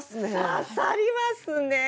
刺さりますね！